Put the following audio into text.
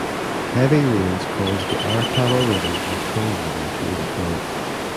Heavy rains caused the Arakawa River and Tone River to overflow.